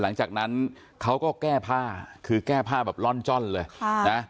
หลังจากนั้นเขาก็แก้ผ้าคือแก้ผ้าแบบร่อนจ้อนเลยค่ะนะ